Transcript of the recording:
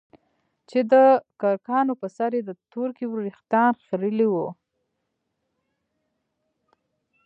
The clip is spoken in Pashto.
چې دکرکانو په سر يې د تورکي وريښتان خرييلي وو.